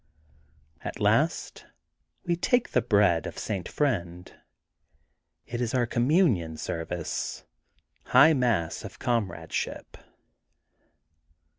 At last we take the bread of St. Friend. It is our communion service, High Mass of com radeship.